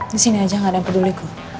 di sini saja tidak ada yang peduli aku